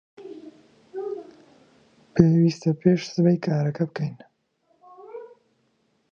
پێویستە پێش سبەی کارەکە بکەین.